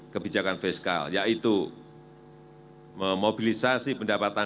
kebijakan fiskal yaitu memobilisasi pendapatan